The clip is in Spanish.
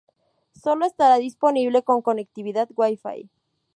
Solo estará disponible con conectividad Wi-Fi.